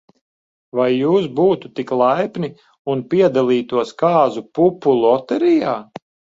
Vai jūs būtu tik laipni, un piedalītos kāzu pupu loterijā?